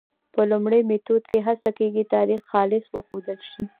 په لومړي میتود کې هڅه کېږي تاریخ خالص وښودل شي.